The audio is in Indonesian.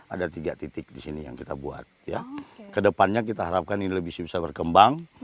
ada tiga titik di sini yang kita buat kedepannya kita harapkan ini lebih bisa berkembang